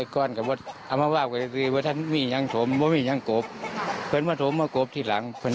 เข้ากับเสือเจ้ามากับเสือ